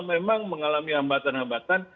memang mengalami hambatan hambatan